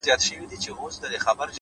مینه نړۍ ښکلا کوي؛